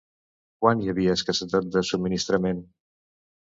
Quan hi havia escassetat de subministrament?